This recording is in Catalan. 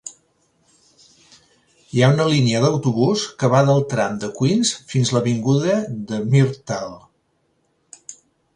Hi ha una la línia d'autobús que va del tram de Queens fins l'avinguda de Myrtle.